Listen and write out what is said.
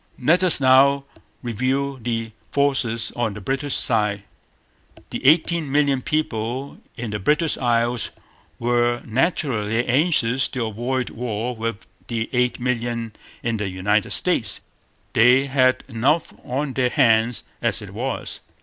Let us now review the forces on the British side. The eighteen million people in the British Isles were naturally anxious to avoid war with the eight millions in the United States. They had enough on their hands as it was.